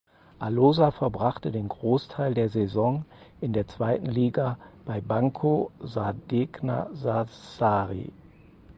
Alosa verbrachte den Großteil der Saison in der zweiten Liga bei Banco Sardegna Sassari.